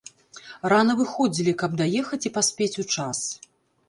Рана выходзілі, каб даехаць і паспець у час.